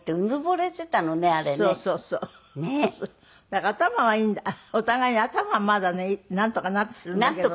だから頭はいいお互いに頭はまだねなんとかなってるんだけどね。